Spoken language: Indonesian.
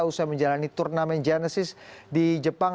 usai menjalani turnamen genesis di jepang